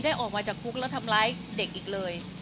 ออกมาจากคุกแล้วทำร้ายเด็กอีกเลย